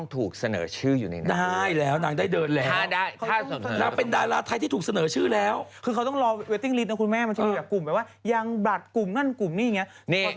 คุณแม่มันจะอยู่กับกลุ่มไปว่ายังบัดกลุ่มนั้นกลุ่มนี้อย่างเงี้ย